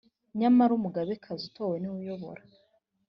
Nyamara Umugabekazi utowe niwe uyobora